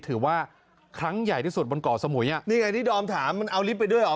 ถือว่าครั้งใหญ่ที่สุดบนเกาะสมุยอ่ะนี่ไงที่ดอมถามมันเอาลิฟต์ไปด้วยเหรอ